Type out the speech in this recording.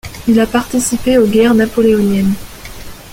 Il a participé aux guerres napoléoniennes.